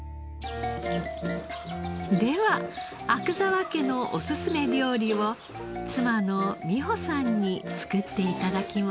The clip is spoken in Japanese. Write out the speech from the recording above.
では阿久澤家のおすすめ料理を妻の美穂さんに作って頂きます。